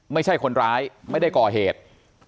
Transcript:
ไม่ใช่คนร้ายไม่ได้ก่อเหตุ